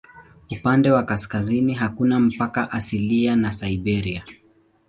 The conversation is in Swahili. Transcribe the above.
Upande wa kaskazini hakuna mpaka asilia na Siberia.